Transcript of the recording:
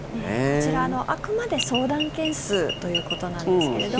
こちら、あくまで相談件数ということなんですけれども。